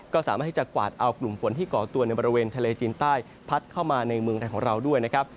ก็สามารถที่จะกวาดเอากลุ่มฝนที่ก่อตัวในบริเวณทะเลจีนใต้พัดเข้ามาในเมืองไทยของเราด้วยนะครับ